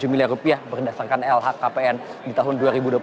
tujuh miliar rupiah berdasarkan lhkpn di tahun dua ribu dua puluh satu